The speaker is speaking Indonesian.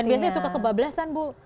dan biasanya suka kebablasan bu